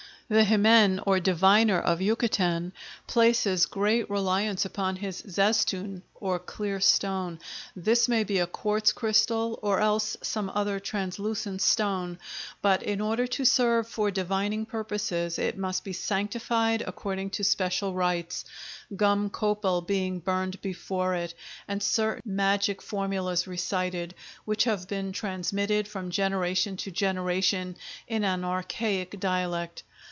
The h'men, or diviner, of Yucatan, places great reliance upon his zaztun, or "clear stone." This may be a quartz crystal, or else some other translucent stone; but in order to serve for divining purposes it must be sanctified according to special rites, gum copal being burned before it, and certain magic formulas recited, which have been transmitted from generation to generation in an archaic dialect.